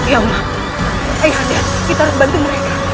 ya allah ayahnya dihati kita berbentuk mereka